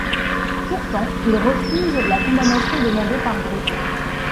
Pourtant, il refuse la condamnation demandée par Breton.